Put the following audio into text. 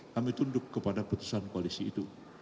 kami tunduk kepada putusan koalisi itu